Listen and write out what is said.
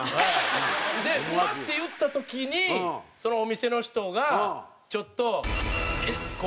「うまぁ」って言った時にそのお店の人がちょっとこう。